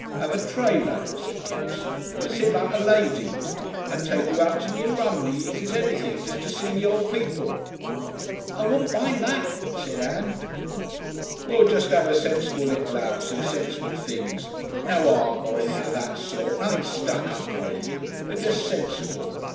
"'Ave a trailer," said Kipps, "and sit like a lady. I'd take you out to New Romney easy as anything jest to see the old people." "I wouldn't mind that," said Ann. "We'll jest 'ave a sensible little 'ouse, and sensible things. No art or anything of that sort, nothing stuck up or anything, but jest sensible.